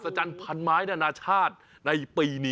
สุดยอดน้ำมันเครื่องจากญี่ปุ่น